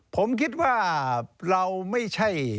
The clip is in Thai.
ผมคิดว่าเราไม่ใช่